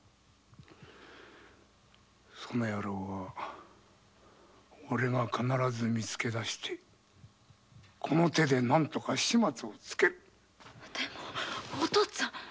その野郎はオレが必ず見つけ出してこの手で始末をつけるお父っつぁん！